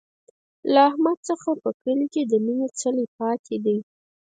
له احمد څخه په کلي کې د مینې څلی پاتې دی.